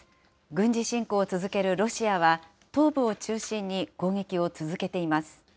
軍事侵攻を続けるロシアは、東部を中心に攻撃を続けています。